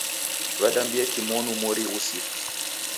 Wadambie kimonu mori ghusirie.